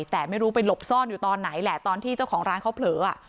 แต่ไม่รู้ไปหลบซ่อนอยู่ตอนไหนแหละตอนที่เจ้าของร้านเขาเผลอ